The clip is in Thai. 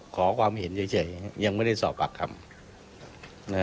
ขอความเห็นเฉยยังไม่ได้สอบปากคำ